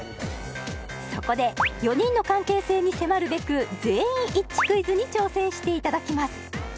そこで４人の関係性に迫るべく全員一致クイズに挑戦していただきます